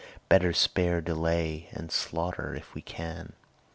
Better spare delay and slaughter if we can.